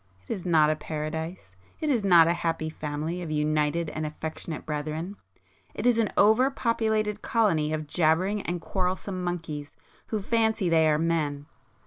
It is not a paradise. It is not a happy family of united and [p 171] affectionate brethren. It is an over populated colony of jabbering and quarrelsome monkeys, who fancy they are men.